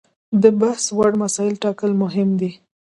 د بحث وړ مسایلو ټاکل مهم دي.